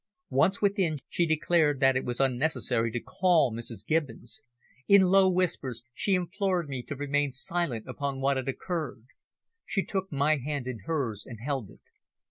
Once within she declared that it was unnecessary to call Mrs. Gibbons. In low whispers she implored me to remain silent upon what had occurred. She took my hand in hers and held it.